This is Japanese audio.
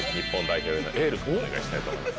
お願いしたいと思います。